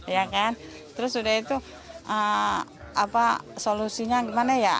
ya kan terus sudah itu apa solusinya gimana ya